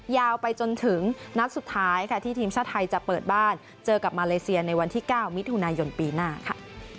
ยาวไปจนถึงนัดสุดท้ายค่ะที่ทีมชาติไทยจะเปิดบ้านเจอกับมาเลเซียในวันที่๙มิถุนายนปีหน้าค่ะ